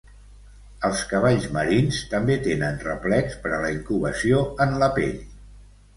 Els cavalls marins també tenen replecs per a la incubació en la pell.